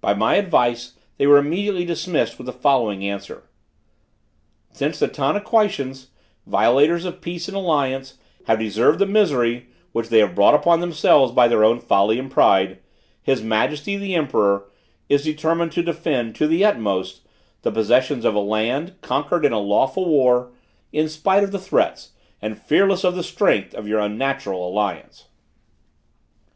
By my advice, they were immediately dismissed with the following answer: "Since the Tanaquitians, violators of peace and alliance, have deserved the misery which they have brought upon themselves by their own folly and pride, his majesty, the emperor, is determined to defend, to the utmost, the possessions of a land, conquered in a lawful war, in spite of the threats and fearless of the strength of your unnatural alliance."